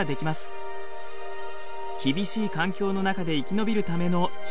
厳しい環境の中で生き延びるための知恵なのです。